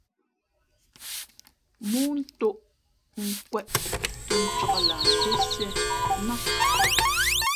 ̀mōō ntōʼ nkwēʼ tα ncāk lah ndósiē nák.